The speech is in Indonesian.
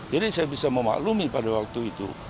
jadi saya bisa memaklumi pada waktu itu